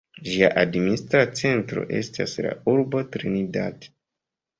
Ĝia administra centro estas la urbo Trinidad.